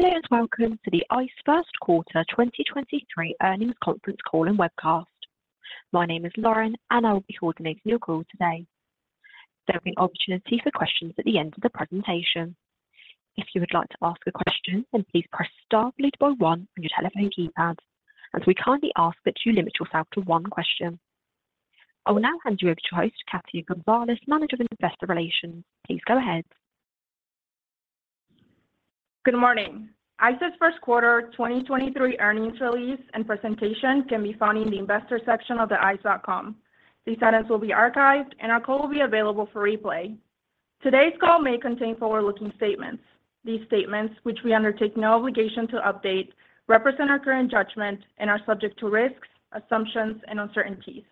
Hello and welcome to the ICE first quarter 2023 Earnings Conference Call and webcast. My name is Lauren and I will be coordinating your call today. There'll be opportunity for questions at the end of the presentation. If you would like to ask a question, please press star followed by one on your telephone keypad, as we kindly ask that you limit yourself to one question. I will now hand you over to host, Katia Gonzalez, Manager of Investor Relations. Please go ahead. Good morning. ICE's first quarter 2023 earnings release and presentation can be found in the investor section of theice.com. These items will be archived and our call will be available for replay. Today's call may contain forward-looking statements. These statements, which we undertake no obligation to update, represent our current judgment and are subject to risks, assumptions, and uncertainties.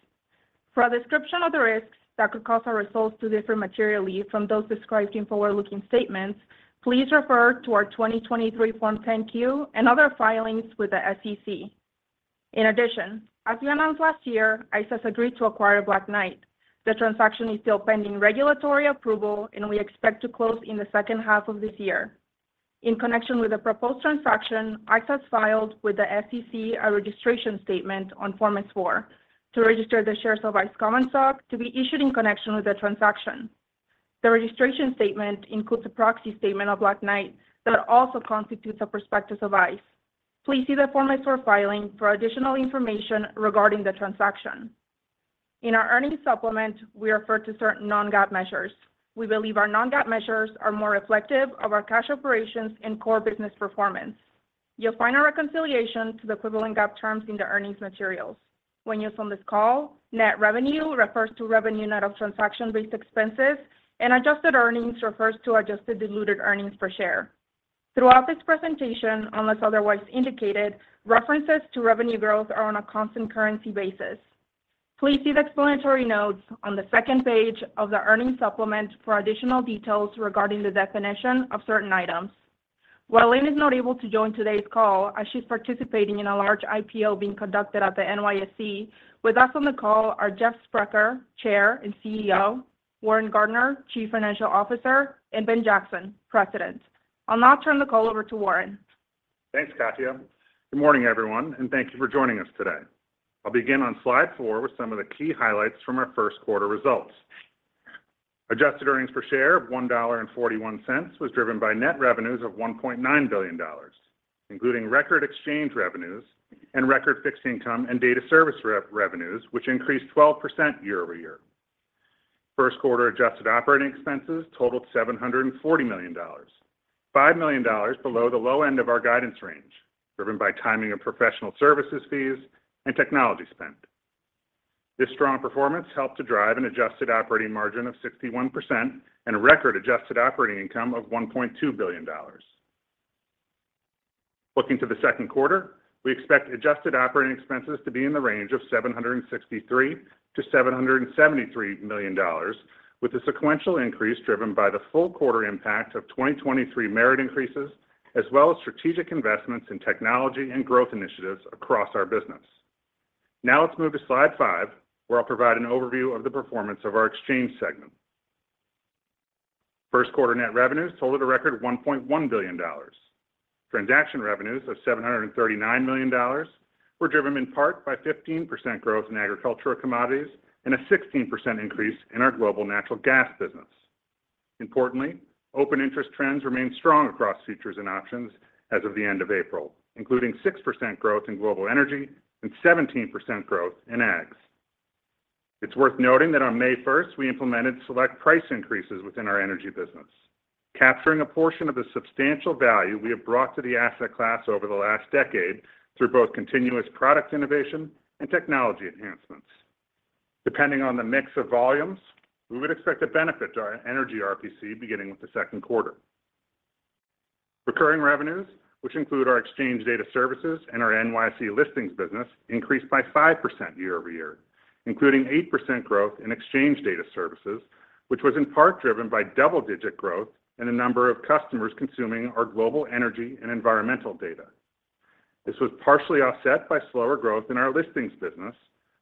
For a description of the risks that could cause our results to differ materially from those described in forward-looking statements, please refer to our 2023 Form 10-Q and other filings with the SEC. In addition, as we announced last year, ICE has agreed to acquire Black Knight. The transaction is still pending regulatory approval, and we expect to close in the second half of this year. In connection with the proposed transaction, ICE has filed with the SEC a registration statement on Form S-4 to register the shares of ICE common stock to be issued in connection with the transaction. The registration statement includes a proxy statement of Black Knight that also constitutes a prospectus of ICE. Please see the Form S-4 filing for additional information regarding the transaction. In our earnings supplement, we refer to certain non-GAAP measures. We believe our non-GAAP measures are more reflective of our cash operations and core business performance. You'll find our reconciliation to the equivalent GAAP terms in the earnings materials. When used on this call, net revenue refers to revenue net of transaction-based expenses, and adjusted earnings refers to adjusted diluted earnings per share. Throughout this presentation, unless otherwise indicated, references to revenue growth are on a constant currency basis. Please see the explanatory notes on the second page of the earnings supplement for additional details regarding the definition of certain items. While Lynn Martin is not able to join today's call as she's participating in a large IPO being conducted at the NYSE, with us on the call are Jeff Sprecher, Chair and CEO, Warren Gardiner, Chief Financial Officer, and Ben Jackson, President. I'll now turn the call over to Warren. Thanks, Katia. Good morning, everyone, thank you for joining us today. I'll begin on slide 4 with some of the key highlights from our first quarter results. Adjusted earnings per share of $1.41 was driven by net revenues of $1.9 billion, including record exchange revenues and record fixed income and data service revenues, which increased 12% year-over-year. First quarter adjusted operating expenses totaled $740 million, $5 million below the low end of our guidance range, driven by timing of professional services fees and technology spend. This strong performance helped to drive an adjusted operating margin of 61% and a record adjusted operating income of $1.2 billion. Looking to the second quarter, we expect adjusted operating expenses to be in the range of $763 million-$773 million, with a sequential increase driven by the full quarter impact of 2023 merit increases, as well as strategic investments in technology and growth initiatives across our business. Now let's move to slide 5, where I'll provide an overview of the performance of our exchange segment. First quarter net revenues totaled a record $1.1 billion. Transaction revenues of $739 million were driven in part by 15% growth in agricultural commodities and a 16% increase in our global natural gas business. Importantly, open interest trends remain strong across futures and options as of the end of April, including 6% growth in global energy and 17% growth in ags. It's worth noting that on May first, we implemented select price increases within our energy business, capturing a portion of the substantial value we have brought to the asset class over the last decade through both continuous product innovation and technology enhancements. Depending on the mix of volumes, we would expect to benefit our energy RPC beginning with the second quarter. Recurring revenues, which include our ICE Data Services and our NYSE listings business, increased by 5% year-over-year, including 8% growth in ICE Data Services, which was in part driven by double-digit growth in the number of customers consuming our global energy and environmental data. This was partially offset by slower growth in our listings business,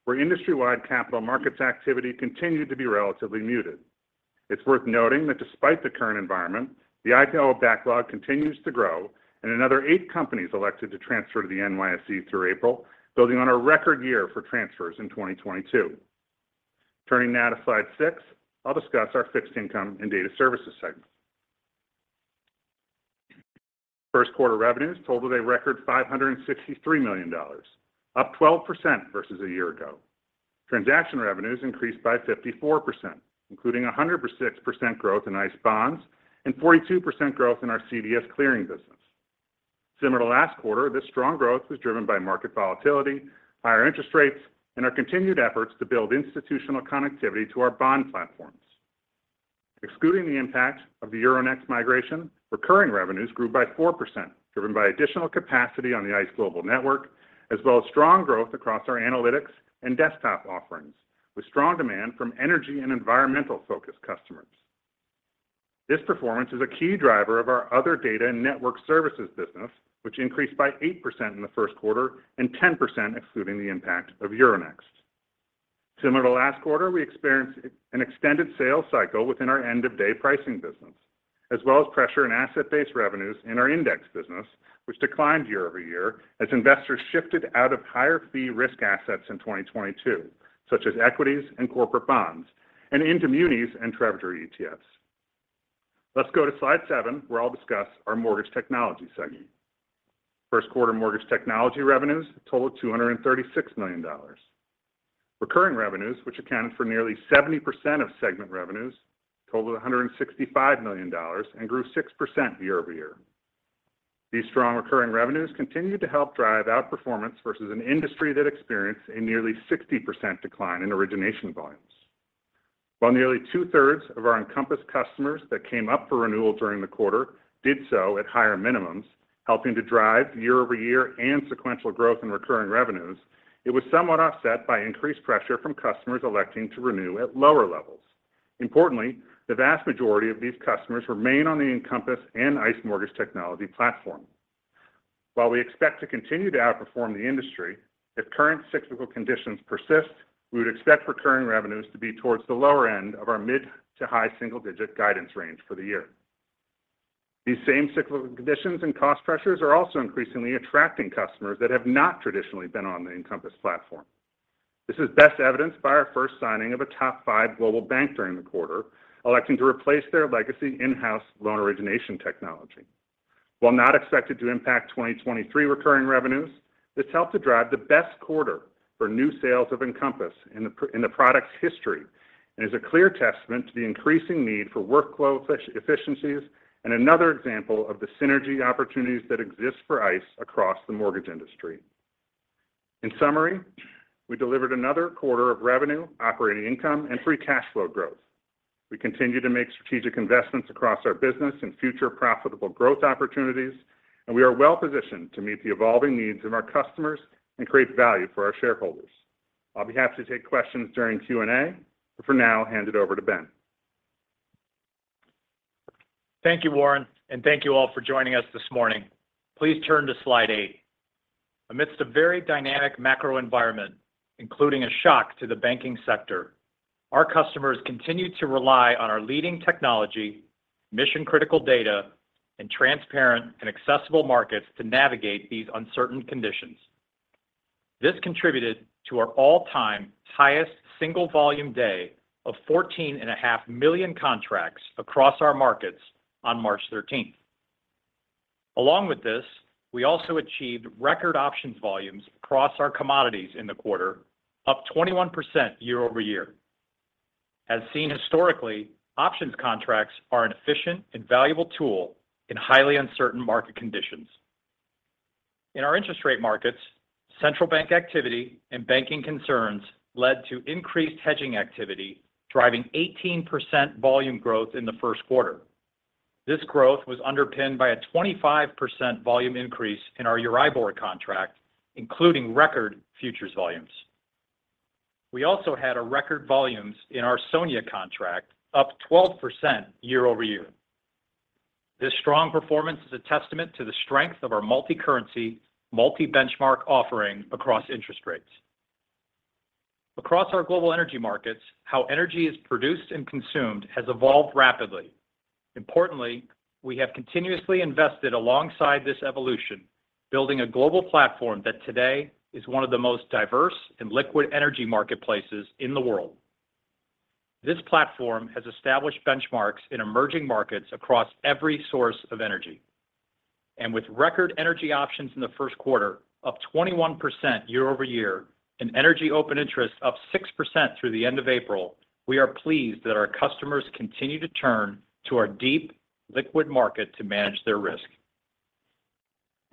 where industry-wide capital markets activity continued to be relatively muted. It's worth noting that despite the current environment, the IPO backlog continues to grow and another eight companies elected to transfer to the NYSE through April, building on a record year for transfers in 2022. Turning now to slide 6, I'll discuss our fixed income and Data Services segment. First quarter revenues totaled a record $563 million, up 12% versus a year ago. Transaction revenues increased by 54%, including 100% growth in ICE Bonds and 42% growth in our CDS clearing business. Similar to last quarter, this strong growth was driven by market volatility, higher interest rates, and our continued efforts to build institutional connectivity to our bond platforms. Excluding the impact of the Euronext migration, recurring revenues grew by 4%, driven by additional capacity on the ICE Global Network, as well as strong growth across our analytics and desktop offerings, with strong demand from energy and environmental-focused customers. This performance is a key driver of our other data and network services business, which increased by 8% in the first quarter and 10% excluding the impact of Euronext. Similar to last quarter, we experienced an extended sales cycle within our end-of-day pricing business, as well as pressure in asset-based revenues in our index business, which declined year-over-year as investors shifted out of higher-fee risk assets in 2022, such as equities and corporate bonds, and into munis and Treasury ETFs. Let's go to slide 7, where I'll discuss our mortgage technology segment. First quarter mortgage technology revenues totaled $236 million. Recurring revenues, which accounted for nearly 70% of segment revenues, totaled $165 million and grew 6% year-over-year. These strong recurring revenues continued to help drive outperformance versus an industry that experienced a nearly 60% decline in origination volumes. While nearly 2/3 of our Encompass customers that came up for renewal during the quarter did so at higher minimums, helping to drive year-over-year and sequential growth in recurring revenues, it was somewhat offset by increased pressure from customers electing to renew at lower levels. Importantly, the vast majority of these customers remain on the Encompass and ICE Mortgage Technology platform. While we expect to continue to outperform the industry, if current cyclical conditions persist, we would expect recurring revenues to be towards the lower end of our mid- to high single-digit guidance range for the year. These same cyclical conditions and cost pressures are also increasingly attracting customers that have not traditionally been on the Encompass platform. This is best evidenced by our first signing of a top five global bank during the quarter, electing to replace their legacy in-house loan origination technology. While not expected to impact 2023 recurring revenues, this helped to drive the best quarter for new sales of Encompass in the product's history, and is a clear testament to the increasing need for workflow efficiencies, and another example of the synergy opportunities that exist for ICE across the mortgage industry. In summary, we delivered another quarter of revenue, operating income, and free cash flow growth. We continue to make strategic investments across our business and future profitable growth opportunities, and we are well-positioned to meet the evolving needs of our customers and create value for our shareholders. I'll be happy to take questions during Q&A, but for now, hand it over to Ben. Thank you, Warren, and thank you all for joining us this morning. Please turn to slide 8. Amidst a very dynamic macro environment, including a shock to the banking sector, our customers continued to rely on our leading technology, mission-critical data, and transparent and accessible markets to navigate these uncertain conditions. This contributed to our all-time highest single volume day of 14.5 million contracts across our markets on March 13th. Along with this, we also achieved record options volumes across our commodities in the quarter, up 21% year-over-year. As seen historically, options contracts are an efficient and valuable tool in highly uncertain market conditions. In our interest rate markets, central bank activity and banking concerns led to increased hedging activity, driving 18% volume growth in the first quarter. This growth was underpinned by a 25% volume increase in our Euribor contract, including record futures volumes. We also had record volumes in our SONIA contract, up 12% year-over-year. This strong performance is a testament to the strength of our multicurrency, multibenchmark offering across interest rates. Across our global energy markets, how energy is produced and consumed has evolved rapidly. Importantly, we have continuously invested alongside this evolution, building a global platform that today is one of the most diverse and liquid energy marketplaces in the world. This platform has established benchmarks in emerging markets across every source of energy. With record energy options in the first quarter, up 21% year-over-year, and energy open interest up 6% through the end of April, we are pleased that our customers continue to turn to our deep, liquid market to manage their risk.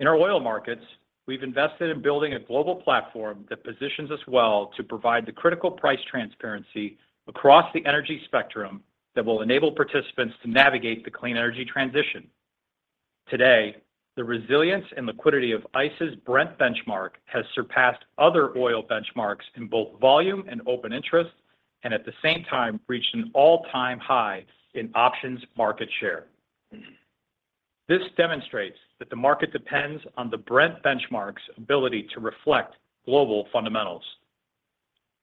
In our oil markets, we've invested in building a global platform that positions us well to provide the critical price transparency across the energy spectrum that will enable participants to navigate the clean energy transition. Today, the resilience and liquidity of ICE's Brent benchmark has surpassed other oil benchmarks in both volume and open interest, and at the same time, reached an all-time high in options market share. This demonstrates that the market depends on the Brent benchmark's ability to reflect global fundamentals.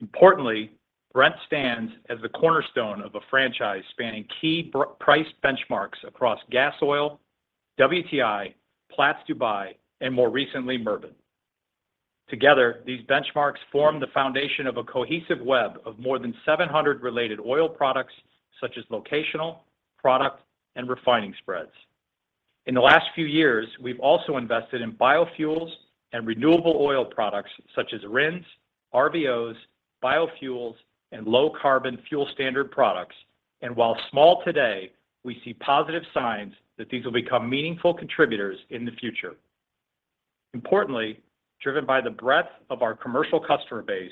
Importantly, Brent stands as the cornerstone of a franchise spanning key priced benchmarks across Gasoil, WTI, Platts Dubai, and more recently, Murban. Together, these benchmarks form the foundation of a cohesive web of more than 700 related oil products, such as locational, product, and refining spreads. In the last few years, we've also invested in biofuels and renewable oil products, such as RINs, RVOs, biofuels, and Low Carbon Fuel Standard products. While small today, we see positive signs that these will become meaningful contributors in the future. Importantly, driven by the breadth of our commercial customer base,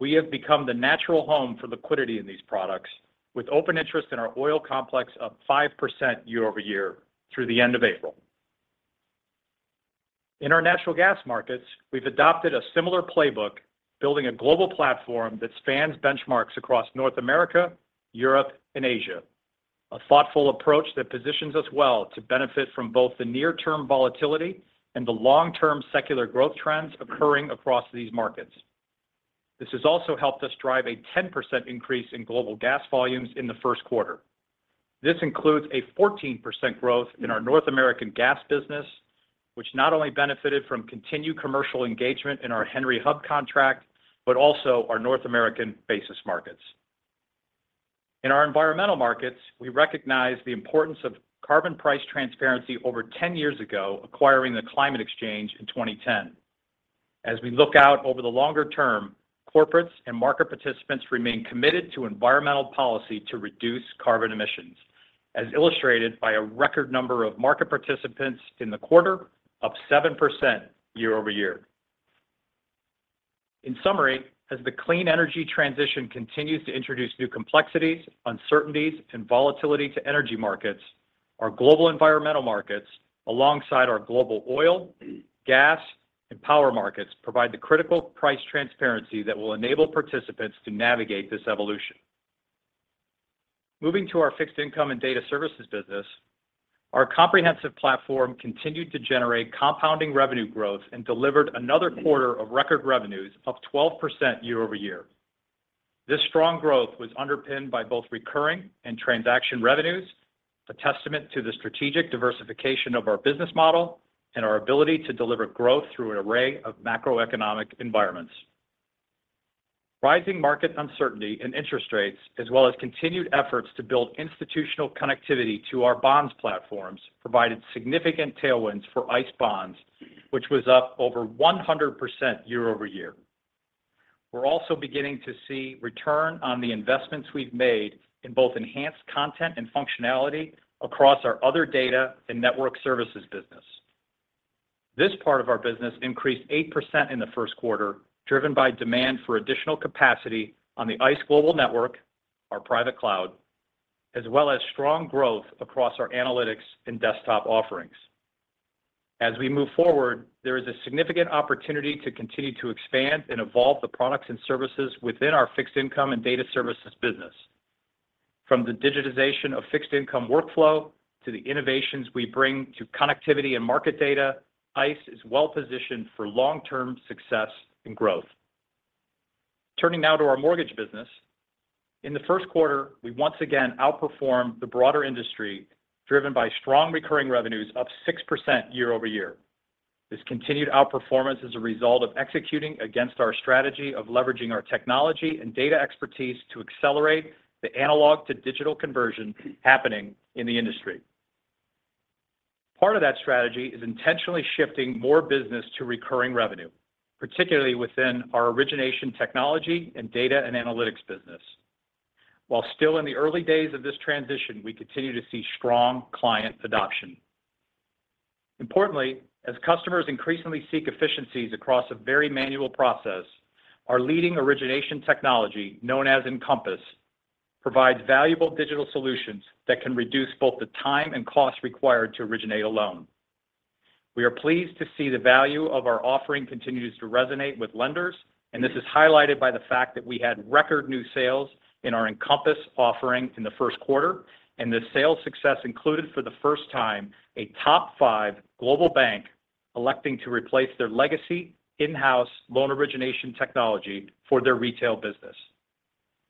we have become the natural home for liquidity in these products, with open interest in our oil complex up 5% year-over-year through the end of April. In our natural gas markets, we've adopted a similar playbook, building a global platform that spans benchmarks across North America, Europe, and Asia. A thoughtful approach that positions us well to benefit from both the near-term volatility and the long-term secular growth trends occurring across these markets. This has also helped us drive a 10% increase in global gas volumes in the first quarter. This includes a 14% growth in our North American gas business, which not only benefited from continued commercial engagement in our Henry Hub contract, but also our North American basis markets. In our environmental markets, we recognize the importance of carbon price transparency over 10 years ago, acquiring the Climate Exchange in 2010. As we look out over the longer term, corporates and market participants remain committed to environmental policy to reduce carbon emissions, as illustrated by a record number of market participants in the quarter up 7% year-over-year. In summary, as the clean energy transition continues to introduce new complexities, uncertainties, and volatility to energy markets, our global environmental markets, alongside our global oil, gas, and power markets, provide the critical price transparency that will enable participants to navigate this evolution. Moving to our fixed income and data services business, our comprehensive platform continued to generate compounding revenue growth and delivered another quarter of record revenues, up 12% year-over-year. This strong growth was underpinned by both recurring and transaction revenues, a testament to the strategic diversification of our business model and our ability to deliver growth through an array of macroeconomic environments. Rising market uncertainty and interest rates, as well as continued efforts to build institutional connectivity to our ICE Bonds platforms, provided significant tailwinds for ICE Bonds, which was up over 100% year-over-year. We're also beginning to see return on the investments we've made in both enhanced content and functionality across our other data and network services business. This part of our business increased 8% in the first quarter, driven by demand for additional capacity on the ICE Global Network, our private cloud, as well as strong growth across our analytics and desktop offerings. As we move forward, there is a significant opportunity to continue to expand and evolve the products and services within our Fixed Income & Data Services business. From the digitization of fixed income workflow to the innovations we bring to connectivity and market data, ICE is well-positioned for long-term success and growth. Turning now to our mortgage business. In the first quarter, we once again outperformed the broader industry, driven by strong recurring revenues, up 6% year-over-year. This continued outperformance is a result of executing against our strategy of leveraging our technology and data expertise to accelerate the analog-to-digital conversion happening in the industry. Part of that strategy is intentionally shifting more business to recurring revenue, particularly within our origination technology and data and analytics business. While still in the early days of this transition, we continue to see strong client adoption. Importantly, as customers increasingly seek efficiencies across a very manual process, our leading origination technology, known as Encompass, provides valuable digital solutions that can reduce both the time and cost required to originate a loan. We are pleased to see the value of our offering continues to resonate with lenders. This is highlighted by the fact that we had record new sales in our Encompass offering in the first quarter. The sales success included, for the first time, a top five global bank electing to replace their legacy in-house loan origination technology for their retail business.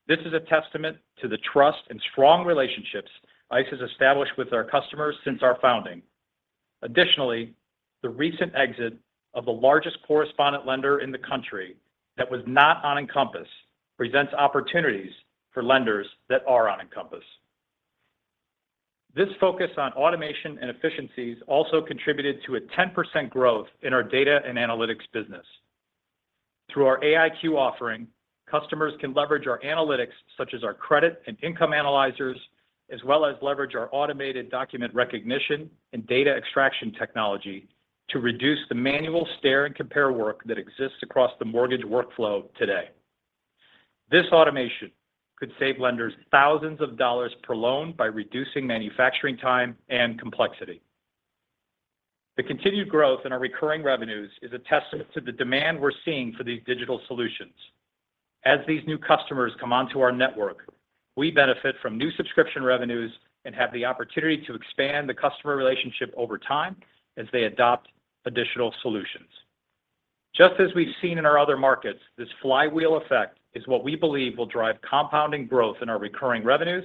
This is a testament to the trust and strong relationships ICE has established with our customers since our founding. The recent exit of the largest correspondent lender in the country that was not on Encompass presents opportunities for lenders that are on Encompass. This focus on automation and efficiencies also contributed to a 10% growth in our data and analytics business. Through our AIQ offering, customers can leverage our analytics, such as our credit and income analyzers, as well as leverage our automated document recognition and data extraction technology to reduce the manual stare and compare work that exists across the mortgage workflow today. This automation could save lenders thousands of dollars per loan by reducing manufacturing time and complexity. The continued growth in our recurring revenues is a testament to the demand we're seeing for these digital solutions. As these new customers come onto our network, we benefit from new subscription revenues and have the opportunity to expand the customer relationship over time as they adopt additional solutions. Just as we've seen in our other markets, this flywheel effect is what we believe will drive compounding growth in our recurring revenues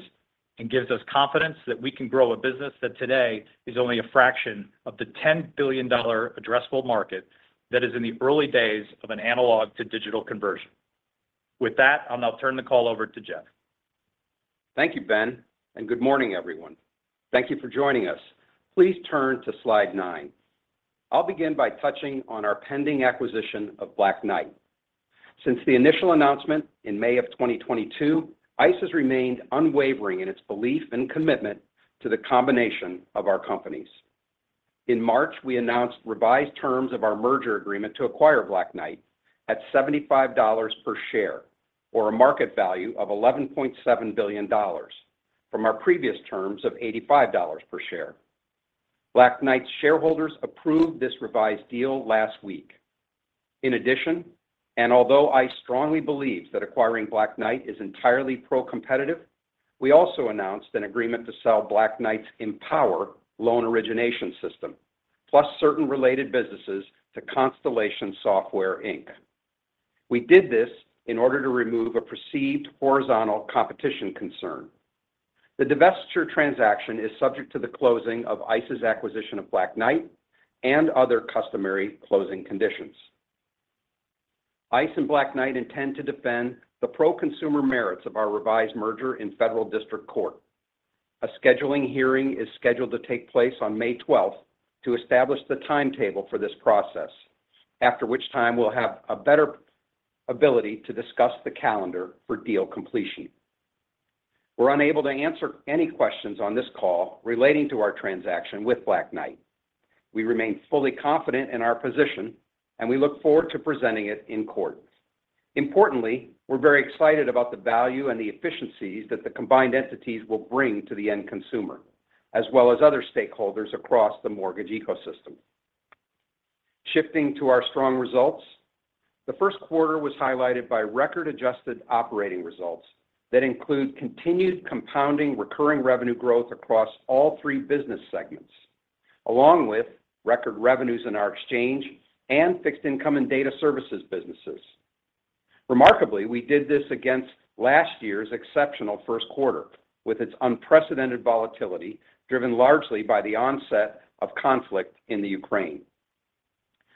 and gives us confidence that we can grow a business that today is only a fraction of the $10 billion addressable market that is in the early days of an analog-to-digital conversion. With that, I'll now turn the call over to Jeff. Thank you, Ben. Good morning, everyone. Thank you for joining us. Please turn to slide 9. I'll begin by touching on our pending acquisition of Black Knight. Since the initial announcement in May of 2022, ICE has remained unwavering in its belief and commitment to the combination of our companies. In March, we announced revised terms of our merger agreement to acquire Black Knight at $75 per share or a market value of $11.7 billion from our previous terms of $85 per share. Black Knight's shareholders approved this revised deal last week. In addition, although ICE strongly believes that acquiring Black Knight is entirely pro-competitive, we also announced an agreement to sell Black Knight's Empower loan origination system, plus certain related businesses to Constellation Software Inc. We did this in order to remove a perceived horizontal competition concern. The divestiture transaction is subject to the closing of ICE's acquisition of Black Knight and other customary closing conditions. ICE and Black Knight intend to defend the pro-consumer merits of our revised merger in federal district court. A scheduling hearing is scheduled to take place on May 12th to establish the timetable for this process, after which time we'll have a better ability to discuss the calendar for deal completion. We're unable to answer any questions on this call relating to our transaction with Black Knight. We remain fully confident in our position, and we look forward to presenting it in court. Importantly, we're very excited about the value and the efficiencies that the combined entities will bring to the end consumer, as well as other stakeholders across the mortgage ecosystem. Shifting to our strong results. The first quarter was highlighted by record-adjusted operating results that include continued compounding recurring revenue growth across all three business segments, along with record revenues in our exchange and Fixed Income and Data Services businesses. Remarkably, we did this against last year's exceptional first quarter, with its unprecedented volatility driven largely by the onset of conflict in the Ukraine.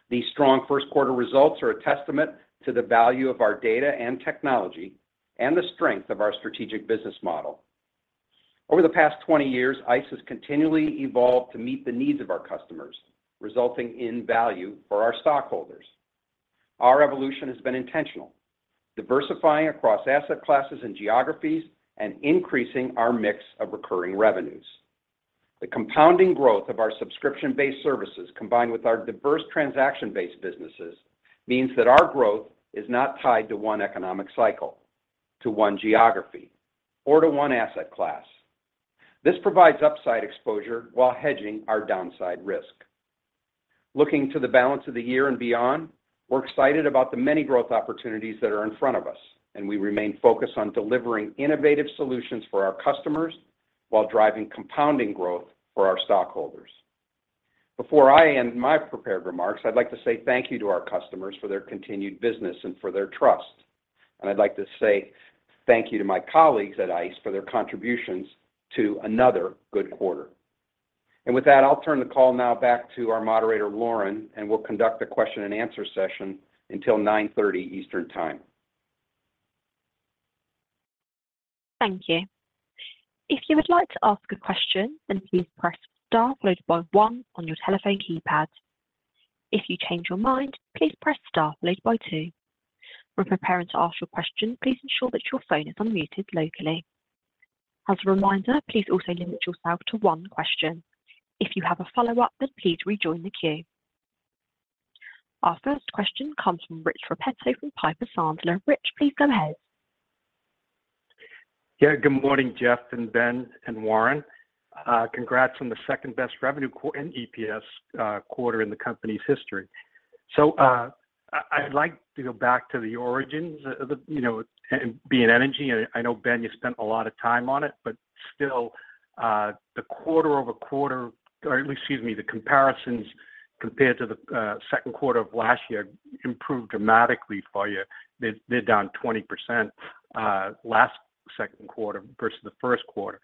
These strong first quarter results are a testament to the value of our data and technology and the strength of our strategic business model. Over the past 20 years, ICE has continually evolved to meet the needs of our customers, resulting in value for our stockholders. Our evolution has been intentional, diversifying across asset classes and geographies, and increasing our mix of recurring revenues. The compounding growth of our subscription-based services, combined with our diverse transaction-based businesses, means that our growth is not tied to one economic cycle, to one geography, or to one asset class. This provides upside exposure while hedging our downside risk. Looking to the balance of the year and beyond, we're excited about the many growth opportunities that are in front of us. We remain focused on delivering innovative solutions for our customers while driving compounding growth for our stockholders. Before I end my prepared remarks, I'd like to say thank you to our customers for their continued business and for their trust. I'd like to say thank you to my colleagues at ICE for their contributions to another good quarter. With that, I'll turn the call now back to our moderator, Lauren, and we'll conduct a question and answer session until 9:30 A.M. Eastern Time. Thank you. If you would like to ask a question, please press star followed by 1 on your telephone keypad. If you change your mind, please press star followed by 2. When preparing to ask your question, please ensure that your phone is unmuted locally. As a reminder, please also limit yourself to 1 question. If you have a follow-up, please rejoin the queue. Our first question comes from Rich Repetto from Piper Sandler. Rich, please go ahead. Good morning, Jeff and Ben and Warren. Congrats on the second-best revenue and EPS quarter in the company's history. I'd like to go back to the origins of the, you know, and be in energy. I know, Ben, you spent a lot of time on it, but still, the quarter-over-quarter, or excuse me, the comparisons compared to the second quarter of last year improved dramatically for you. They're down 20%, last second quarter versus the first quarter.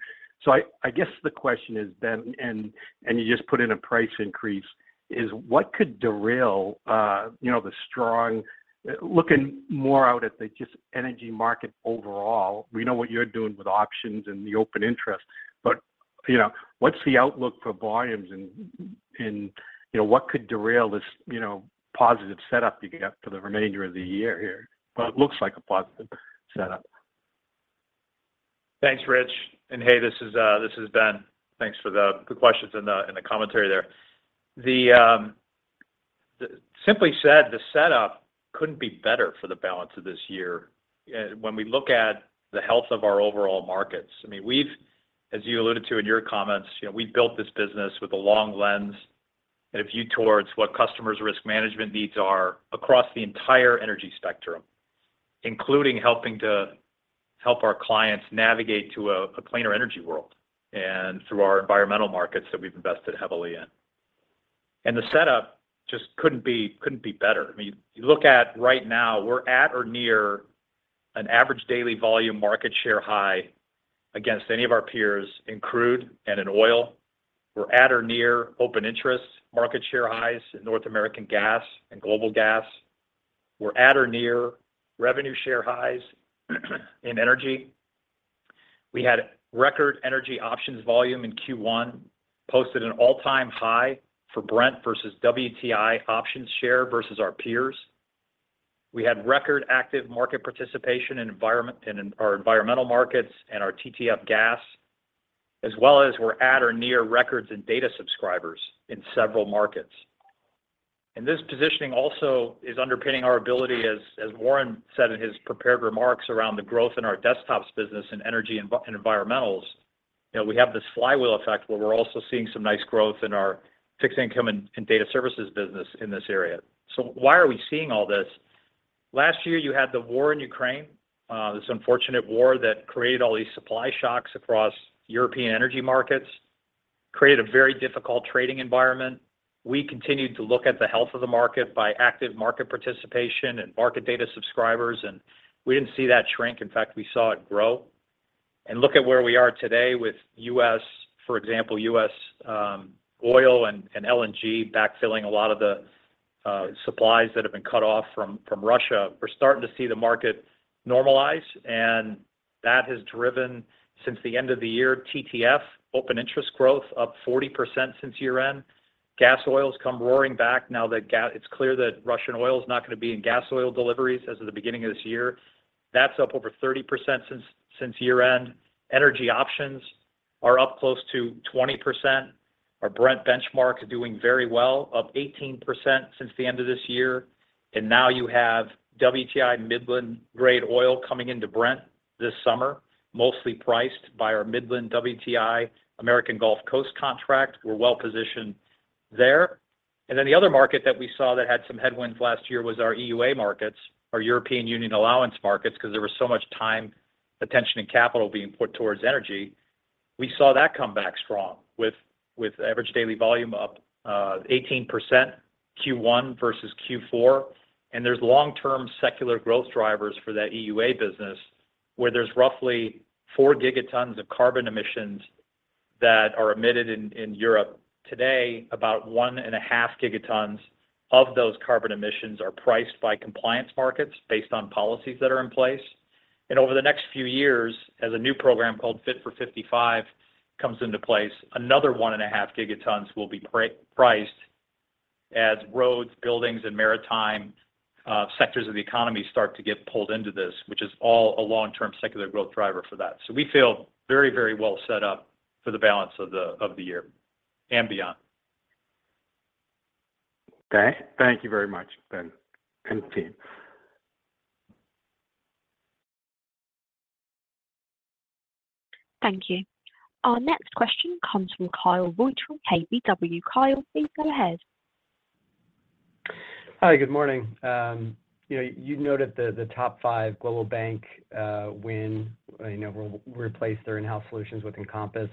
I guess the question is then, and you just put in a price increase, is what could derail, you know, the strong... Looking more out at the just energy market overall, we know what you're doing with options and the open interest, but, you know, what's the outlook for volumes and, you know, what could derail this, you know, positive setup you got for the remainder of the year here? Well, it looks like a positive setup. Thanks, Rich. Hey, this is Ben. Thanks for the good questions and the commentary there. Simply said, the setup couldn't be better for the balance of this year. When we look at the health of our overall markets, I mean, we've, as you alluded to in your comments, you know, we've built this business with a long lens and a view towards what customers' risk management needs are across the entire energy spectrum, including helping to help our clients navigate to a cleaner energy world and through our environmental markets that we've invested heavily in. The setup just couldn't be better. I mean, you look at right now, we're at or near an average daily volume market share high against any of our peers in crude and in oil. We're at or near open interest market share highs in North American gas and global gas. We're at or near revenue share highs in energy. We had record energy options volume in Q1, posted an all-time high for Brent versus WTI options share versus our peers. We had record active market participation in our environmental markets and our TTF gas, as well as we're at or near records in data subscribers in several markets. This positioning also is underpinning our ability, as Warren said in his prepared remarks around the growth in our desktops business and energy and environmentals. You know, we have this flywheel effect where we're also seeing some nice growth in our fixed income and data services business in this area. Why are we seeing all this? Last year, you had the war in Ukraine, this unfortunate war that created all these supply shocks across European energy markets, created a very difficult trading environment. We continued to look at the health of the market by active market participation and market data subscribers, and we didn't see that shrink. In fact, we saw it grow. Look at where we are today with U.S., for example, U.S. oil and LNG backfilling a lot of the supplies that have been cut off from Russia. We're starting to see the market normalize. That has driven, since the end of the year, TTF open interest growth up 40% since year-end. Gasoil's come roaring back now that it's clear that Russian oil is not going to be in Gasoil deliveries as of the beginning of this year. That's up over 30% since year-end. Energy options are up close to 20%. Our Brent benchmark is doing very well, up 18% since the end of this year. Now you have WTI Midland-grade oil coming into Brent this summer, mostly priced by our Midland WTI American Gulf Coast contract. We're well-positioned there. The other market that we saw that had some headwinds last year was our EUA markets, our European Union Allowance markets, because there was so much time, attention, and capital being put towards energy. We saw that come back strong with average daily volume up 18% Q1 versus Q4. There's long-term secular growth drivers for that EUA business, where there's roughly four gigatons of carbon emissions that are emitted in Europe today. About one and a half gigatons of those carbon emissions are priced by compliance markets based on policies that are in place. Over the next few years, as a new program called Fit for 55 comes into place, another one and a half gigatons will be priced as roads, buildings, and maritime sectors of the economy start to get pulled into this, which is all a long-term secular growth driver for that. We feel very, very well set up for the balance of the year and beyond. Okay. Thank you very much, Ben and team. Thank you. Our next question comes from Kyle Voigt from KBW. Kyle, please go ahead. Hi, good morning. You know, you noted the top 5 global bank win, you know, will replace their in-house solutions with Encompass.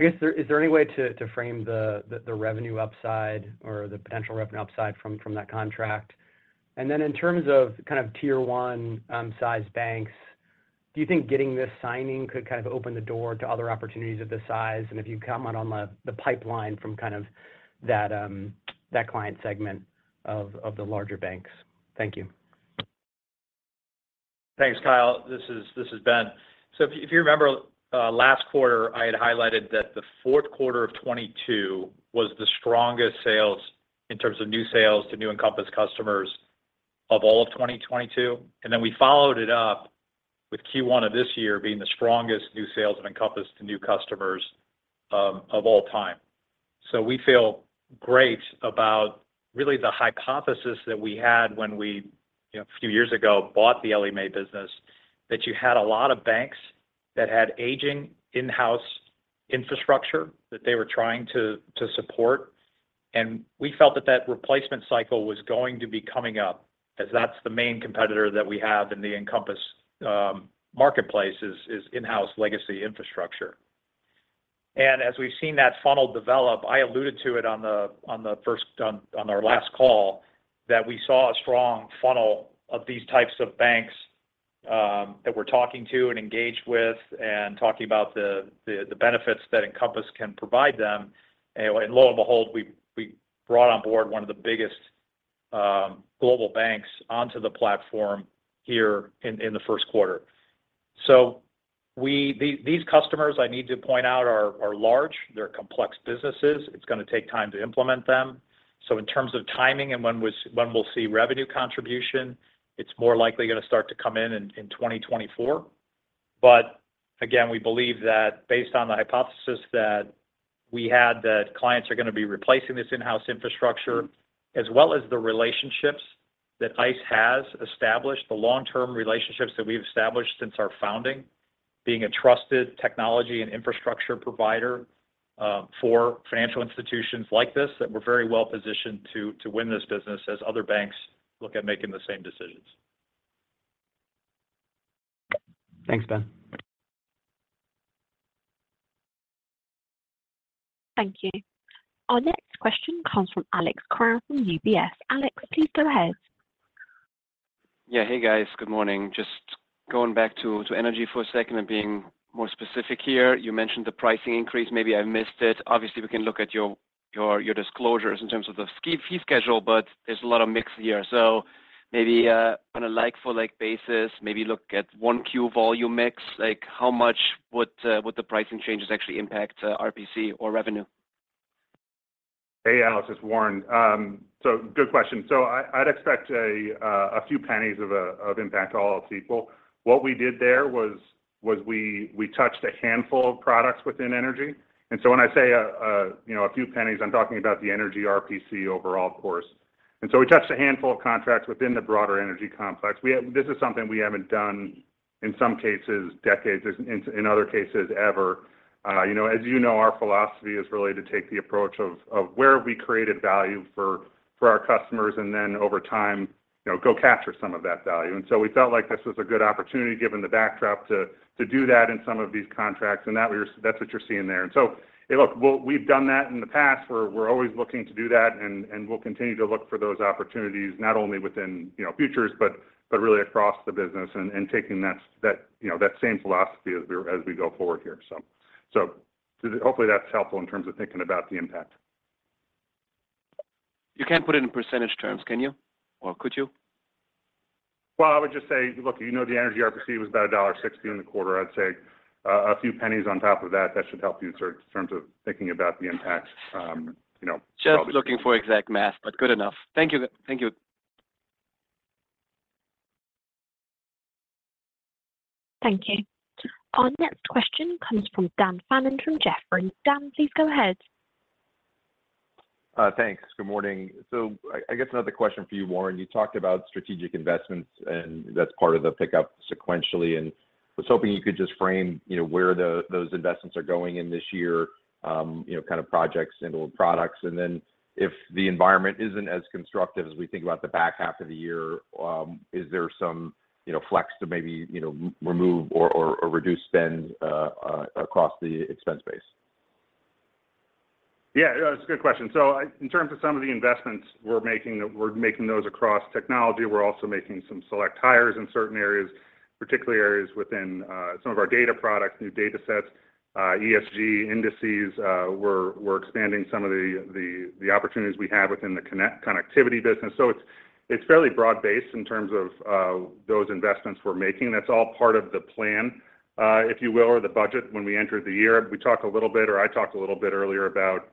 I guess, is there, is there any way to frame the, the revenue upside or the potential revenue upside from that contract? In terms of kind of tier 1, size banks, do you think getting this signing could kind of open the door to other opportunities of this size? If you can comment on the pipeline from kind of that client segment of the larger banks. Thank you. Thanks, Kyle. This is Ben. If you remember, last quarter, I had highlighted that the fourth quarter of 2022 was the strongest sales in terms of new sales to new Encompass customers of all of 2022. Then we followed it up with Q1 of this year being the strongest new sales of Encompass to new customers of all time. We feel great about really the hypothesis that we had when we, you know, a few years ago, bought the Ellie Mae business, that you had a lot of banks that had aging in-house infrastructure that they were trying to support. We felt that that replacement cycle was going to be coming up as that's the main competitor that we have in the Encompass marketplace is in-house legacy infrastructure. As we've seen that funnel develop, I alluded to it on our last call, that we saw a strong funnel of these types of banks that we're talking to and engaged with and talking about the benefits that Encompass can provide them. Lo and behold, we brought on board one of the biggest global banks onto the platform here in the first quarter. These customers, I need to point out, are large. They're complex businesses. It's going to take time to implement them. In terms of timing and when we'll see revenue contribution, it's more likely going to start to come in 2024. Again, we believe that based on the hypothesis that we had that clients are going to be replacing this in-house infrastructure, as well as the relationships that ICE has established, the long-term relationships that we've established since our founding, being a trusted technology and infrastructure provider, for financial institutions like this, that we're very well-positioned to win this business as other banks look at making the same decisions. Thanks, Ben. Thank you. Our next question comes from Alex Kramm from UBS. Alex, please go ahead. Hey, guys. Good morning. Just going back to energy for a second and being more specific here. You mentioned the pricing increase. Maybe I missed it. Obviously, we can look at your disclosures in terms of the fee schedule, but there's a lot of mix here. Maybe on a like-for-like basis, maybe look at 1Q volume mix, like how much would the pricing changes actually impact RPC or revenue? Hey, Alex. It's Warren. Good question. I'd expect a few pennies of impact to all else equal. What we did there was we touched a handful of products within energy. When I say, you know, a few pennies, I'm talking about the energy RPC overall course. We touched a handful of contracts within the broader energy complex. This is something we haven't done, in some cases, decades, in other cases ever. You know, as you know, our philosophy is really to take the approach of where we created value for our customers, and then over time, you know, go capture some of that value. We felt like this was a good opportunity, given the backdrop, to do that in some of these contracts. That that's what you're seeing there. Hey, look, we've done that in the past. We're always looking to do that, and we'll continue to look for those opportunities, not only within, you know, futures, but really across the business and taking that, you know, that same philosophy as we go forward here. Hopefully that's helpful in terms of thinking about the impact. You can't put it in percentage terms, can you? Could you? I would just say, look, you know, the energy RPC was about $1.60 in the quarter. I'd say a few pennies on top of that. That should help you in terms of thinking about the impact, you know. Just looking for exact math, but good enough. Thank you. Thank you. Thank you. Our next question comes from Daniel Fannon from Jefferies. Dan, please go ahead. Thanks. Good morning. I guess another question for you, Warren. You talked about strategic investments, and that's part of the pickup sequentially, and I was hoping you could just frame, you know, where those investments are going in this year, you know, kind of projects and products. If the environment isn't as constructive as we think about the back half of the year, is there some, you know, flex to maybe, you know, remove or reduce spend across the expense base? Yeah, that's a good question. In terms of some of the investments we're making, we're making those across technology. We're also making some select hires in certain areas, particularly areas within some of our data products, new datasets, ESG indices. We're expanding some of the opportunities we have within the connectivity business. It's fairly broad-based in terms of those investments we're making. That's all part of the plan, if you will, or the budget when we entered the year. We talked a little bit, or I talked a little bit earlier about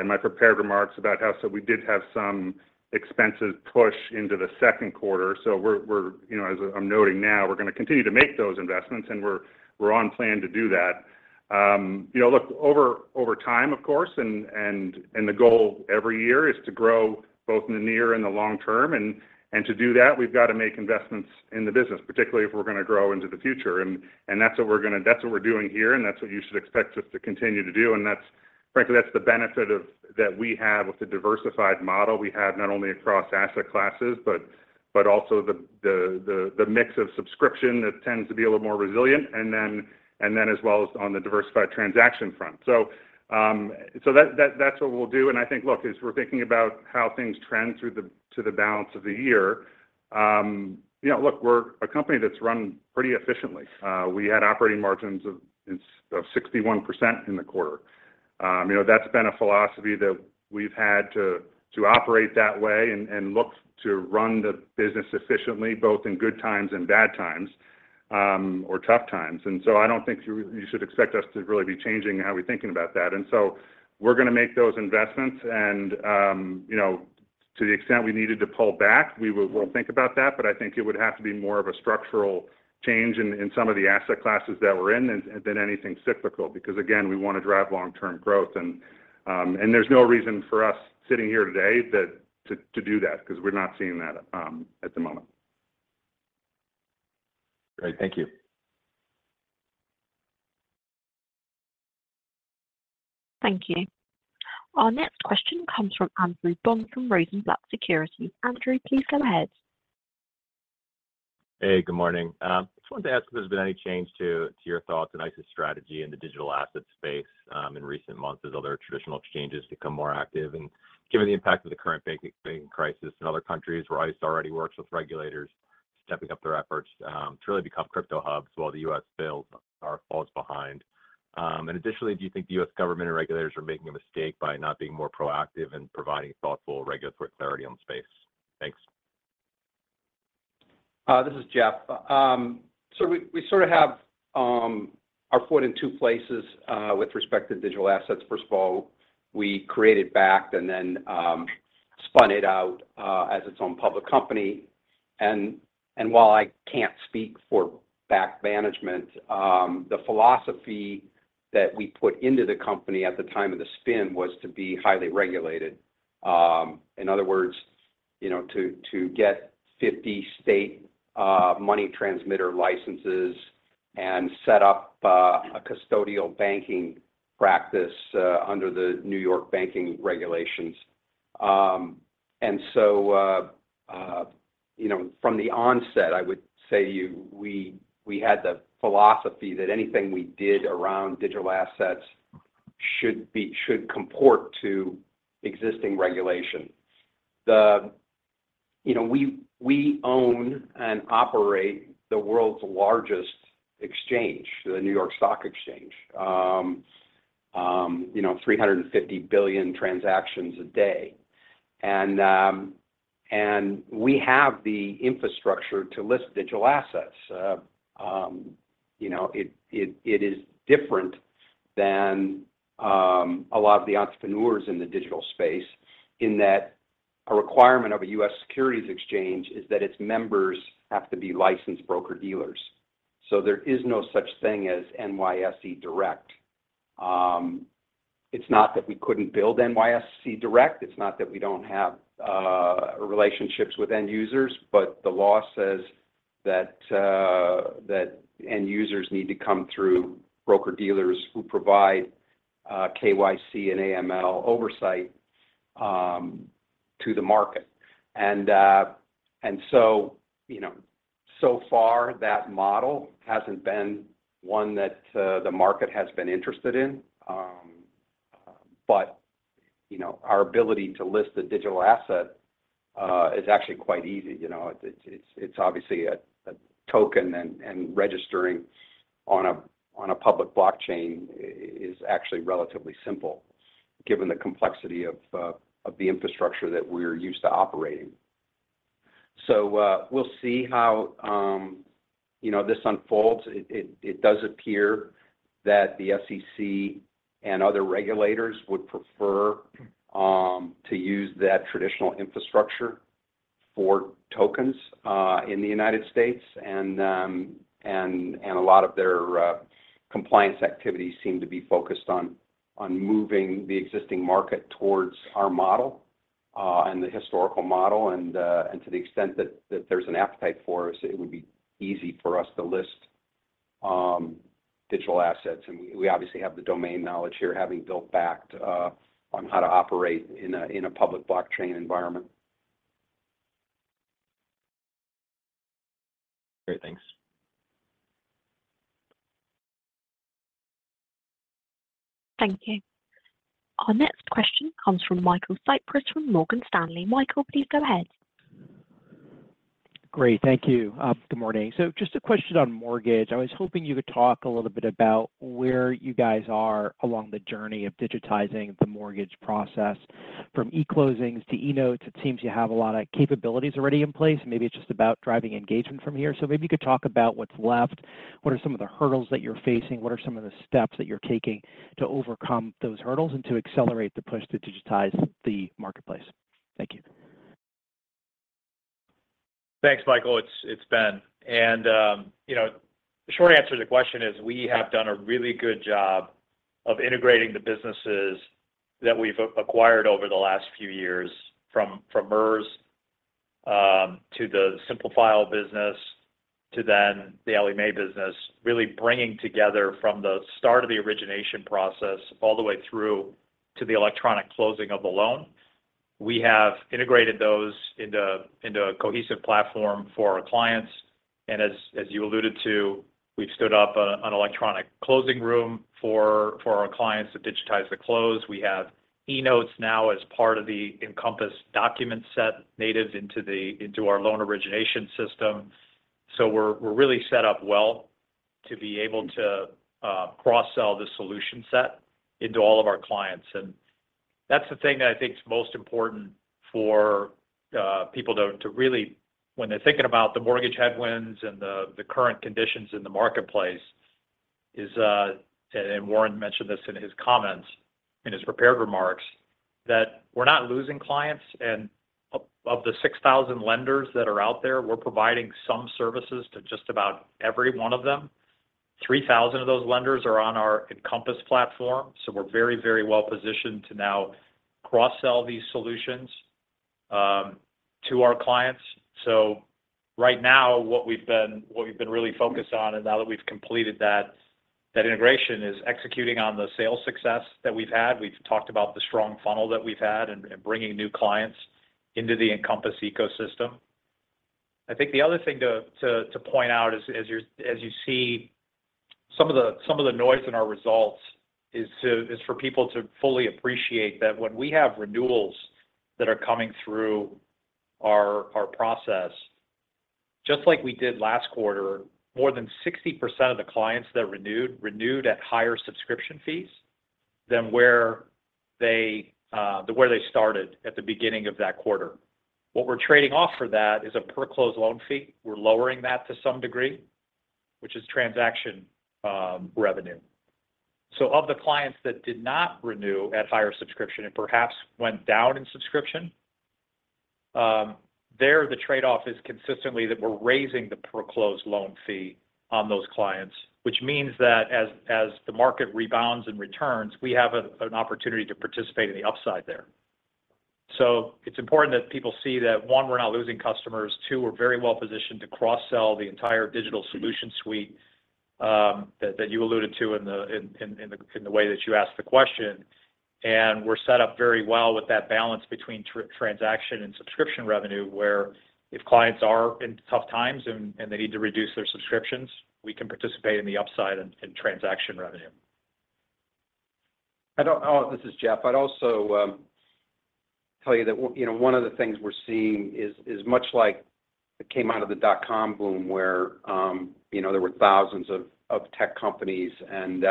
in my prepared remarks about how so we did have some expensive push into the second quarter. We're, you know, as I'm noting now, we're going to continue to make those investments, and we're on plan to do that. You know, look, over time, of course, and the goal every year is to grow both in the near and the long term. To do that, we've got to make investments in the business, particularly if we're going to grow into the future. That's what we're doing here, and that's what you should expect us to continue to do. Frankly, that's the benefit that we have with the diversified model we have, not only across asset classes, but also the mix of subscription that tends to be a little more resilient and then as well as on the diversified transaction front. That's what we'll do. I think, look, as we're thinking about how things trend to the balance of the year, you know, look, we're a company that's run pretty efficiently. We had operating margins of 61% in the quarter. You know, that's been a philosophy that we've had to operate that way and look to run the business efficiently, both in good times and bad times, or tough times. I don't think you should expect us to really be changing how we're thinking about that. We're going to make those investments and, you know, to the extent we needed to pull back, we'll think about that. I think it would have to be more of a structural change in some of the asset classes that we're in than anything cyclical, because again, we want to drive long-term growth. There's no reason for us sitting here today to do that because we're not seeing that at the moment. Great. Thank you. Thank you. Our next question comes from Andrew Bond from Rosenblatt Securities. Andrew, please go ahead. Hey, good morning. Just wanted to ask if there's been any change to your thoughts on ICE's strategy in the digital asset space in recent months as other traditional exchanges become more active? Given the impact of the current banking crisis in other countries where ICE already works with regulators stepping up their efforts to really become crypto hubs while the U.S. fails or falls behind. Additionally, do you think the U.S. government and regulators are making a mistake by not being more proactive in providing thoughtful regulatory clarity on the space? Thanks. This is Jeff. We sort of have our foot in 2 places with respect to digital assets. First of all, we created Bakkt and then spun it out as its own public company. While I can't speak for Bakkt management, the philosophy that we put into the company at the time of the spin was to be highly regulated. In other words, you know, to get 50 state money transmitter licenses and set up a custodial banking practice under the New York banking regulations. You know, from the onset, I would say to you, we had the philosophy that anything we did around digital assets should comport to existing regulation. The. You know, we own and operate the world's largest exchange, the New York Stock Exchange. You know, 350 billion transactions a day. We have the infrastructure to list digital assets. You know, it is different than a lot of the entrepreneurs in the digital space in that a requirement of a U.S. securities exchange is that its members have to be licensed broker-dealers. There is no such thing as NYSE direct. It's not that we couldn't build NYSE Direct. It's not that we don't have relationships with end users, but the law says that end users need to come through broker-dealers who provide KYC and AML oversight to the market. So far, you know, that model hasn't been one that the market has been interested in. You know, our ability to list a digital asset is actually quite easy. You know, it's obviously a token and registering on a public blockchain is actually relatively simple given the complexity of the infrastructure that we're used to operating. We'll see how, you know, this unfolds. It does appear that the SEC and other regulators would prefer to use that traditional infrastructure for tokens in the United States. A lot of their compliance activities seem to be focused on moving the existing market towards our model and the historical model. To the extent that there's an appetite for us, it would be easy for us to list digital assets. We obviously have the domain knowledge here, having built Bakkt on how to operate in a public blockchain environment. Great. Thanks. Thank you. Our next question comes from Michael Cyprys with Morgan Stanley. Michael, please go ahead. Great. Thank you. Good morning. Just a question on mortgage. I was hoping you could talk a little bit about where you guys are along the journey of digitizing the mortgage process from eClosings to eNotes. It seems you have a lot of capabilities already in place, and maybe it's just about driving engagement from here. Maybe you could talk about what's left. What are some of the hurdles that you're facing? What are some of the steps that you're taking to overcome those hurdles and to accelerate the push to digitize the marketplace? Thank you. Thanks, Michael. It's Ben. You know, the short answer to the question is we have done a really good job of integrating the businesses that we've acquired over the last few years from MERS, to the Simplifile business, to then the Ellie Mae business, really bringing together from the start of the origination process all the way through to the electronic closing of the loan. We have integrated those into a cohesive platform for our clients. As you alluded to, we've stood up an electronic closing room for our clients to digitize the close. We have eNotes now as part of the Encompass document set native into our loan origination system. We're really set up well to be able to cross-sell the solution set into all of our clients. That's the thing that I think is most important for people to really when they're thinking about the mortgage headwinds and the current conditions in the marketplace is, and Warren mentioned this in his comments, in his prepared remarks, that we're not losing clients. Of the 6,000 lenders that are out there, we're providing some services to just about every one of them. 3,000 of those lenders are on our Encompass platform, so we're very well positioned to now cross-sell these solutions to our clients. Right now what we've been really focused on, and now that we've completed that integration, is executing on the sales success that we've had. We've talked about the strong funnel that we've had and bringing new clients into the Encompass ecosystem. I think the other thing to point out is as you see some of the noise in our results is for people to fully appreciate that when we have renewals that are coming through our process, just like we did last quarter, more than 60% of the clients that renewed at higher subscription fees than where they started at the beginning of that quarter. What we're trading off for that is a per closed loan fee. We're lowering that to some degree, which is transaction revenue. Of the clients that did not renew at higher subscription and perhaps went down in subscription, there the trade-off is consistently that we're raising the per closed loan fee on those clients, which means that as the market rebounds and returns, we have an opportunity to participate in the upside there. It's important that people see that, one, we're not losing customers. Two, we're very well positioned to cross-sell the entire digital solution suite that you alluded to in the way that you asked the question. We're set up very well with that balance between transaction and subscription revenue, where if clients are in tough times and they need to reduce their subscriptions, we can participate in the upside in transaction revenue. Oh, this is Jeff. I'd also tell you that you know, one of the things we're seeing is much like what came out of the dot-com boom where, you know, there were thousands of tech companies and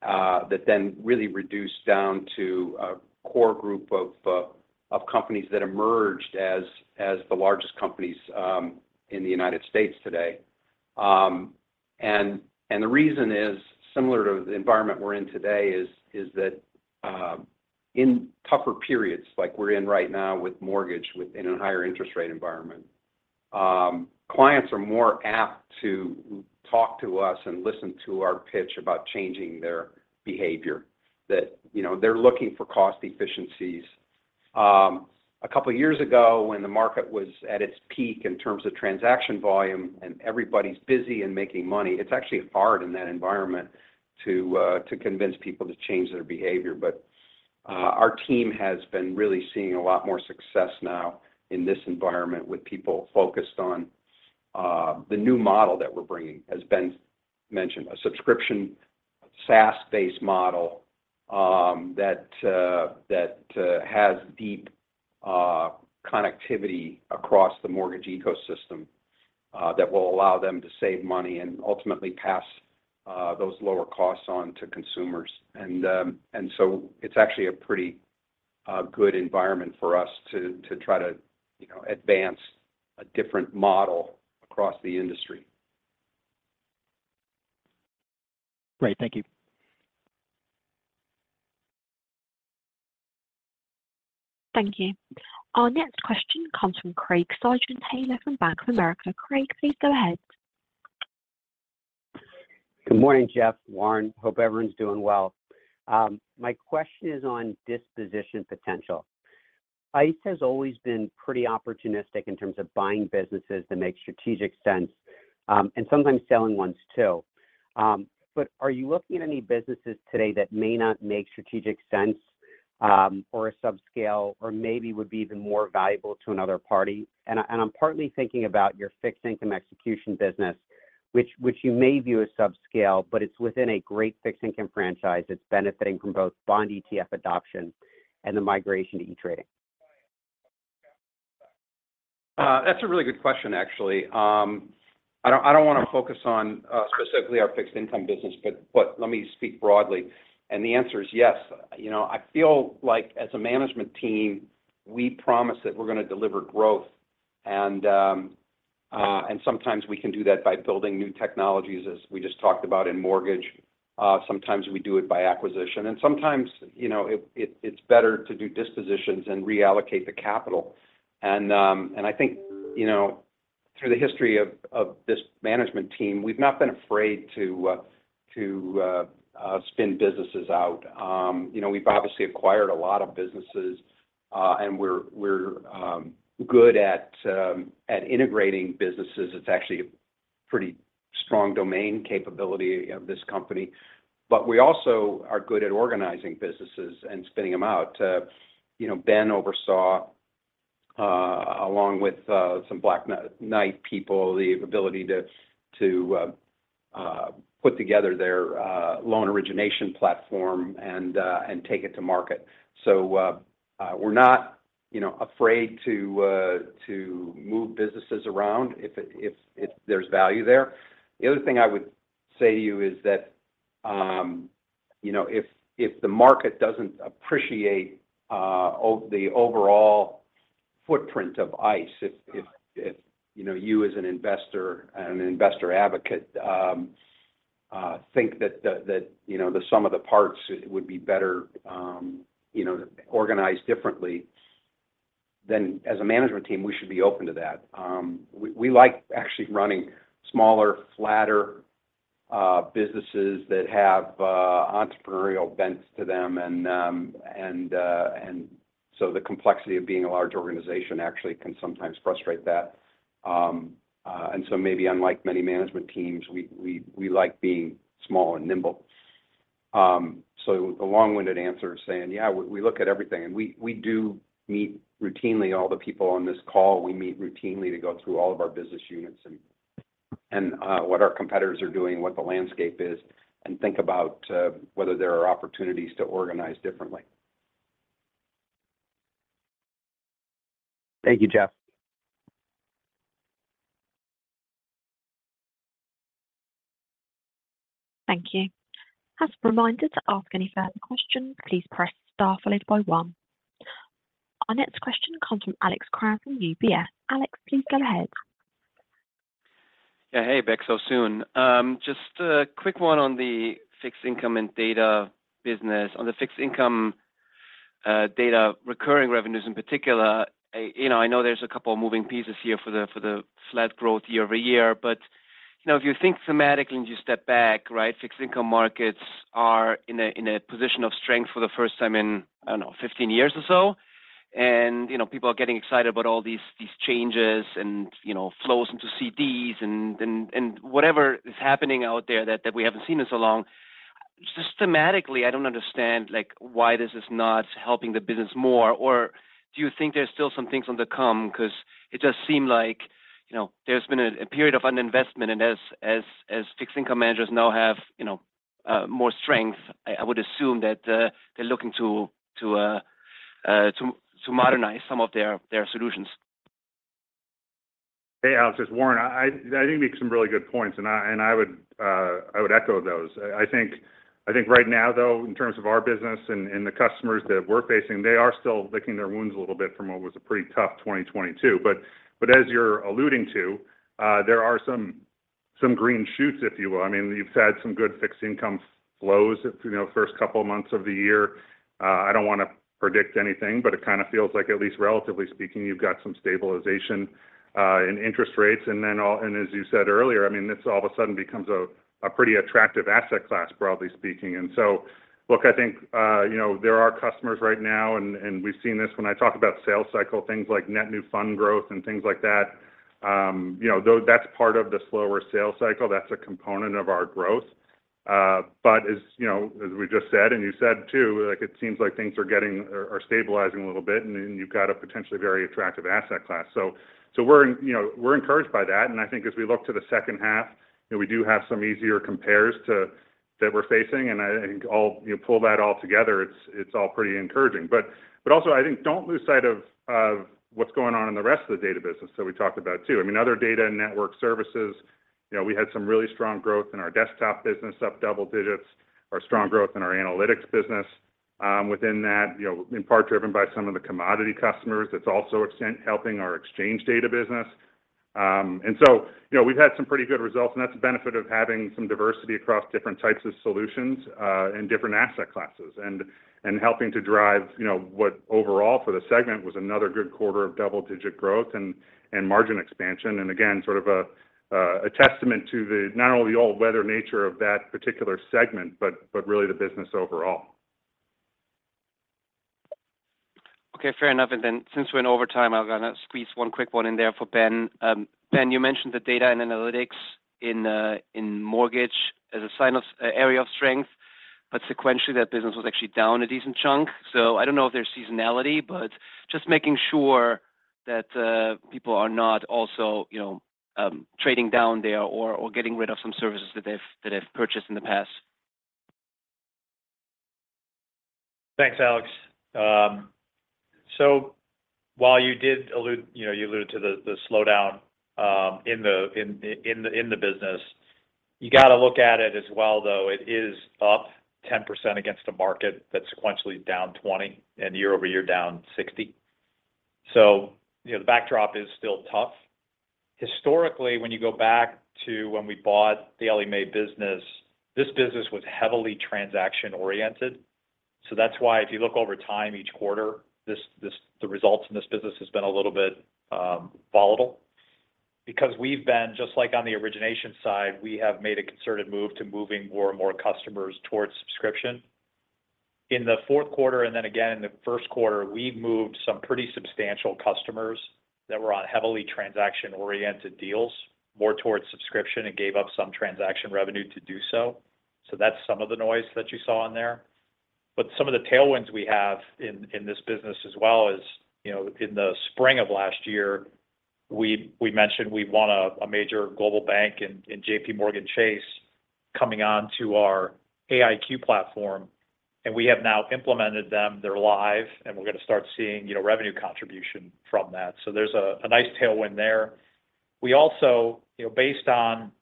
that then really reduced down to a core group of companies that emerged as the largest companies in the United States today. The reason is similar to the environment we're in today is that in tougher periods like we're in right now with mortgage within a higher interest rate environment, clients are more apt to talk to us and listen to our pitch about changing their behavior that, you know, they're looking for cost efficiencies. A couple of years ago when the market was at its peak in terms of transaction volume, and everybody's busy and making money, it's actually hard in that environment to convince people to change their behavior. Our team has been really seeing a lot more success now in this environment with people focused on the new model that we're bringing. As Ben Jackson mentioned, a subscription, SaaS-based model that has deep connectivity across the mortgage ecosystem that will allow them to save money and ultimately pass those lower costs on to consumers. It's actually a pretty good environment for us to try to, you know, advance a different model across the industry. Great. Thank you. Thank you. Our next question comes from Craig Siegenthaler from Bank of America. Craig, please go ahead. Good morning, Jeff, Warren. Hope everyone's doing well. My question is on disposition potential. ICE has always been pretty opportunistic in terms of buying businesses that make strategic sense, and sometimes selling ones too. Are you looking at any businesses today that may not make strategic sense, or a subscale, or maybe would be even more valuable to another party? I'm partly thinking about your fixed income execution business, which you may view as subscale, but it's within a great fixed income franchise. It's benefiting from both bond ETF adoption and the migration to e-trading. That's a really good question, actually. I don't wanna focus on specifically our fixed income business, but let me speak broadly. The answer is yes. You know, I feel like as a management team, we promise that we're gonna deliver growth. Sometimes we can do that by building new technologies, as we just talked about in mortgage. Sometimes we do it by acquisition. Sometimes, you know, it's better to do dispositions and reallocate the capital. I think, you know, through the history of this management team, we've not been afraid to spin businesses out. You know, we've obviously acquired a lot of businesses, and we're good at integrating businesses. It's actually a pretty strong domain capability of this company. We also are good at organizing businesses and spinning them out. You know, Ben oversaw, along with some Black Knight people, the ability to put together their loan origination platform and take it to market. We're not, you know, afraid to move businesses around if there's value there. The other thing I would say to you is that, you know, if the market doesn't appreciate the overall footprint of ICE, if, you know, you as an investor and an investor advocate, think that, you know, the sum of the parts would be better, you know, organized differently, then as a management team, we should be open to that. We, we like actually running smaller, flatter, businesses that have entrepreneurial bent to them. The complexity of being a large organization actually can sometimes frustrate that. Maybe unlike many management teams, we, we like being small and nimble. The long-winded answer is saying, yeah, we look at everything. We, we do meet routinely all the people on this call. We meet routinely to go through all of our business units and what our competitors are doing, what the landscape is, and think about whether there are opportunities to organize differently. Thank you, Jeff. Thank you. As a reminder to ask any further questions, please press star followed by one. Our next question comes from Alex Kramm from UBS. Alex, please go ahead. Yeah. Hey, back so soon. Just a quick one on the fixed income and data business. On the fixed income, data recurring revenues in particular, you know, I know there's a couple of moving pieces here for the flat growth year-over-year. You know, if you think thematically and you step back, right, fixed income markets are in a position of strength for the first time in, I don't know, 15 years or so. You know, people are getting excited about all these changes and, you know, flows into CDS and whatever is happening out there that we haven't seen in so long. Systematically, I don't understand, like why this is not helping the business more, or do you think there's still some things on the come? It just seem like, you know, there's been a period of underinvestment. As fixed income managers now have, you know, more strength, I would assume that, they're looking to modernize some of their solutions. Hey, Alex. It's Warren. I think you make some really good points, and I would echo those. I think right now, though, in terms of our business and the customers that we're facing, they are still licking their wounds a little bit from what was a pretty tough 2022. As you're alluding to, there are some Some green shoots, if you will. I mean, you've had some good fixed income flows through, you know, the first couple of months of the year. I don't want to predict anything, but it kind of feels like at least relatively speaking, you've got some stabilization in interest rates. As you said earlier, I mean, this all of a sudden becomes a pretty attractive asset class, broadly speaking. Look, I think, you know, there are customers right now, and we've seen this when I talk about sales cycle, things like net new fund growth and things like that. You know, though that's part of the slower sales cycle, that's a component of our growth. As you know, as we just said, and you said too, like, it seems like things are getting or stabilizing a little bit, and then you've got a potentially very attractive asset class. We're in, you know, we're encouraged by that. I think as we look to the second half, you know, we do have some easier compares that we're facing, and I think all, you know, pull that all together, it's all pretty encouraging. Also I think don't lose sight of what's going on in the rest of the data business that we talked about too. I mean, other data and network services, you know, we had some really strong growth in our desktop business, up double digits, or strong growth in our analytics business, within that, you know, in part driven by some of the commodity customers. That's also extent helping our exchange data business. So, you know, we've had some pretty good results, and that's the benefit of having some diversity across different types of solutions, and different asset classes and helping to drive, you know, what overall for the segment was another good quarter of double-digit growth and margin expansion. Again, sort of a testament to the not only all-weather nature of that particular segment, but really the business overall. Okay, fair enough. Then since we're in overtime, I'm gonna squeeze one quick one in there for Ben. Ben, you mentioned the data and analytics in mortgage as area of strength, but sequentially that business was actually down a decent chunk. I don't know if there's seasonality, but just making sure that people are not also, you know, trading down there or getting rid of some services that they've purchased in the past. Thanks, Alex. While you did allude, you know, you alluded to the slowdown in the business, you got to look at it as well, though. It is up 10% against a market that's sequentially down 20%, and year-over-year down 60%. You know, the backdrop is still tough. Historically, when you go back to when we bought the Ellie Mae business, this business was heavily transaction-oriented. That's why if you look over time each quarter, the results in this business has been a little bit volatile. Because we've been just like on the origination side, we have made a concerted move to moving more and more customers towards subscription. In the fourth quarter, then again in the first quarter, we've moved some pretty substantial customers that were on heavily transaction-oriented deals more towards subscription and gave up some transaction revenue to do so. That's some of the noise that you saw in there. Some of the tailwinds we have in this business as well is, you know, in the spring of last year, we mentioned we won a major global bank in JPMorgan Chase coming onto our AIQ platform, and we have now implemented them. They're live, and we're going to start seeing, you know, revenue contribution from that. There's a nice tailwind there. We also, you know, based on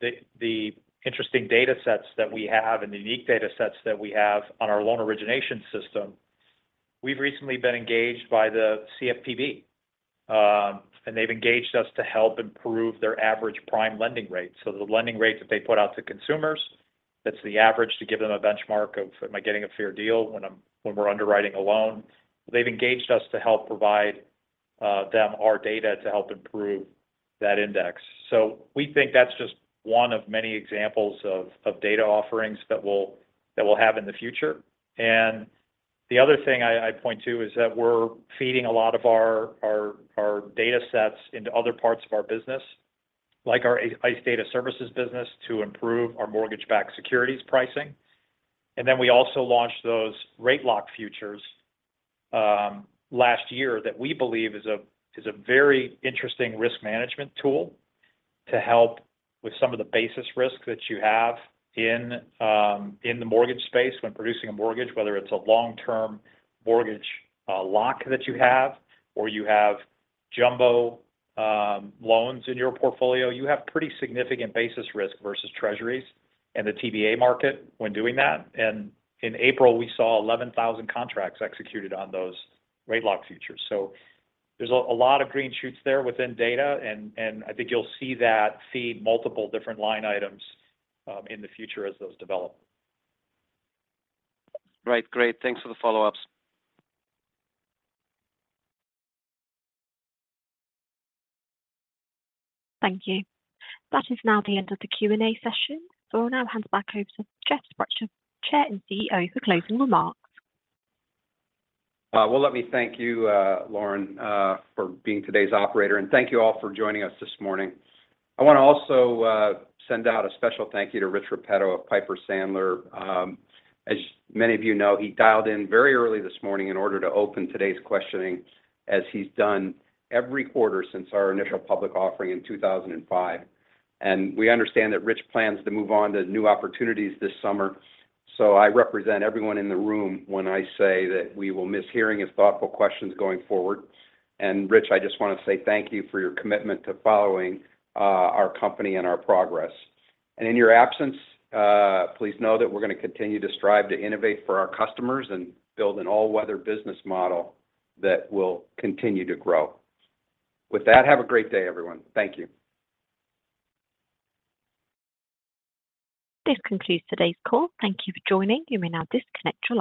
the interesting data sets that we have and the unique data sets that we have on our loan origination system, we've recently been engaged by the CFPB. They've engaged us to help improve their average prime lending rate. The lending rate that they put out to consumers, that's the average to give them a benchmark of, am I getting a fair deal when we're underwriting a loan? They've engaged us to help provide them our data to help improve that index. We think that's just one of many examples of data offerings that we'll have in the future. The other thing I'd point to is that we're feeding a lot of our data sets into other parts of our business, like our ICE Data Services business, to improve our mortgage-backed securities pricing. We also launched those Mortgage Rate Lock Futures last year that we believe is a very interesting risk management tool to help with some of the basis risk that you have in the mortgage space when producing a mortgage. Whether it's a long-term mortgage lock that you have, or you have jumbo loans in your portfolio. You have pretty significant basis risk versus Treasuries and the TBA market when doing that. In April, we saw 11,000 contracts executed on those Mortgage Rate Lock Futures. There's a lot of green shoots there within data and I think you'll see that feed multiple different line items in the future as those develop. Right. Great. Thanks for the follow-ups. Thank you. That is now the end of the Q&A session. I'll now hand it back over to Jeff Sprecher, Chair and CEO, for closing remarks. Let me thank you, Lauren, for being today's operator. Thank you all for joining us this morning. I want to also send out a special thank you to Rich Repetto of Piper Sandler. As many of you know, he dialed in very early this morning in order to open today's questioning, as he's done every quarter since our initial public offering in 2005. We understand that Rich plans to move on to new opportunities this summer. I represent everyone in the room when I say that we will miss hearing his thoughtful questions going forward. Rich, I just want to say thank you for your commitment to following our company and our progress. In your absence, please know that we're going to continue to strive to innovate for our customers and build an all-weather business model that will continue to grow. With that, have a great day, everyone. Thank you. This concludes today's call. Thank you for joining. You may now disconnect your line.